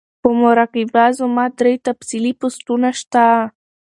پۀ مراقبه زما درې تفصيلی پوسټونه شته